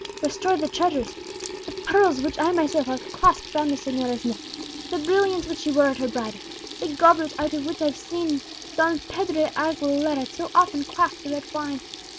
Restore the treasure the pearls which I myself have clasped round the señora's neck, the brilliants which she wore at her bridal, the goblet out of which I've seen Don Pedro de Aguilera so often quaff the red wine!